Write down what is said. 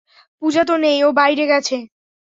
পূজা তো নেই, ও বাইরে গেছে।